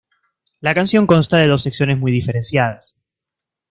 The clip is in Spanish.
La canción consta de dos secciones muy diferenciadas.